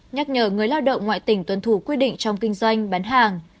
nhắc nhở người lao động ngoại tỉnh tuân thủ quy định trong kinh doanh bán hàng